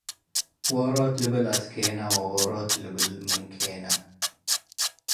ዎሮት ልብል አስኬነ ዎሮት ልብል ምን ኬነ።